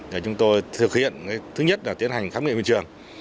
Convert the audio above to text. để chúng tôi thực hiện thứ nhất là tiến hành khám nghiệm hiện trường